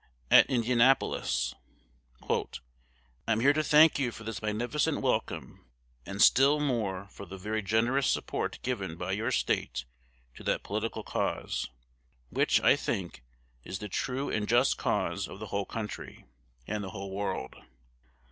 '" At Indianapolis: "I am here to thank you for this magnificent welcome, and still more for the very generous support given by your State to that political cause, which, I think, is the true and just cause of the whole country, and the whole world.